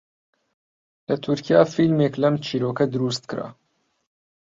لە تورکیا فیلمێک لەم چیرۆکە دروست کرا